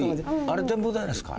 あれ展望台なんですか？